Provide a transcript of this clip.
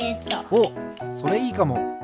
おっそれいいかも！